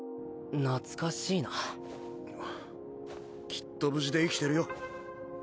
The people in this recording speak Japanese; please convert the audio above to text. きっと無事で生きてるよ。